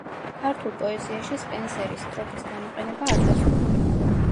ქართულ პოეზიაში სპენსერის სტროფის გამოყენება არ დასტურდება.